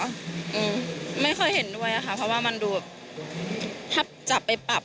พี่โอละไม่เคยเห็นด้วยนะคะเพราะว่ามันดูถ้าจับไปปรับ